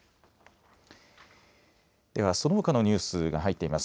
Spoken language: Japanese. では、そのほかのニュースが入っています。